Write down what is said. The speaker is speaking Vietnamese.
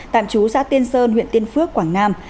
tạm trú xã tiên sơn huyện tiên phước quảng nam